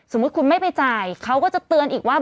สมมุติคุณไม่ไปจ่ายเขาก็จะเตือนอีกว่า